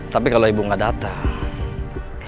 tapi kalo ibu gak dateng